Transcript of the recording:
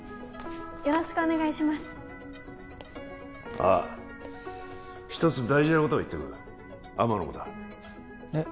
よろしくお願いしますああ１つ大事なことを言っておく天野もだえっ？